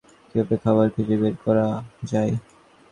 কীভাবে খাবার খুঁজে বের করা যায়।